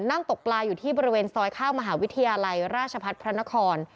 นั่งตกปลาอยู่ที่บริเวณซอยข้างมหาวิทยาลัยราชพัฒน์พระนคร